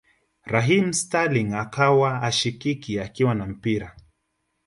Raheem Sterling akawa hashikiki akiwa na mpira